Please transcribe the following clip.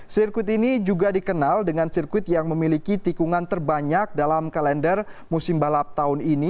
sirkuit ini juga dikenal dengan sirkuit yang memiliki tikungan terbanyak dalam kalender musim balap tahun ini